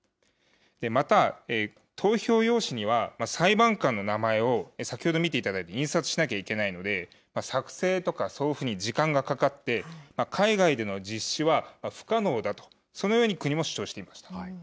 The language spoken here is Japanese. また投票用紙には裁判官の名前を、先ほど見ていただいたように、印刷しなきゃいけないので、作成とか送付に時間がかかって、海外での実施は不可能だと、そのように国も主張していました。